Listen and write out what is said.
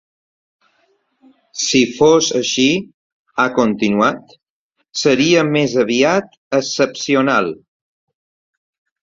Si fos així, ha continuat, seria ‘més aviat excepcional’.